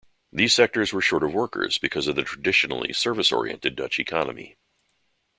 These sectors were short of workers because of the traditionally service-oriented Dutch economy.